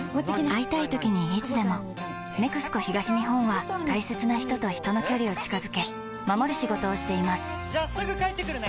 会いたいときにいつでも「ＮＥＸＣＯ東日本」は大切な人と人の距離を近づけ守る仕事をしていますじゃあすぐ帰ってくるね！